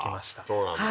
そうなんだ。